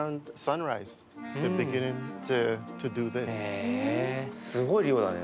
へえすごい量だね